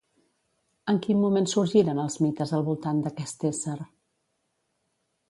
En quin moment sorgiren els mites al voltant d'aquest ésser?